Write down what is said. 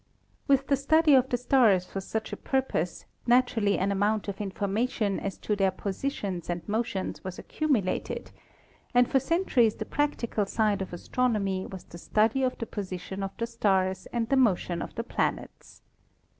With the study of the stars for such a purpose naturally an amount of information as to their positions and motions was accumulated, and for centuries the practi EVOLUTION OF IDEAS 7 cal side of astronomy was the study of the position of the stars and the motion of the planets.